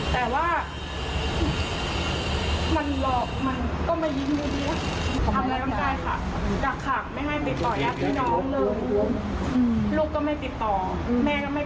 แต่ว่ามันหลอกมันก็ไม่ยิ้มอยู่ดีละ